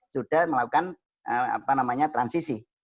sudah melakukan transisi